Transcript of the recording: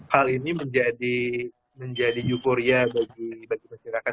hal ini menjadi menjadi euphoria bagi masyarakat